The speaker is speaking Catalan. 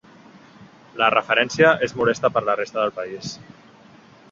La referència és molesta per a la resta del país.